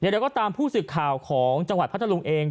เดี๋ยวก็ตามผู้สื่อข่าวของจังหวัดพัทธรุงเอง